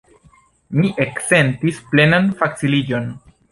Mi eksentis plenan faciliĝon.